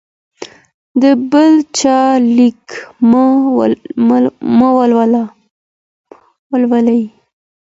د بل چا لیک مه ولولئ.